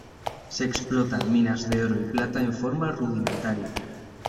Se explotan minas de oro y plata en forma rudimentaria.